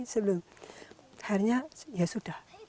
sebelum itu ya sudah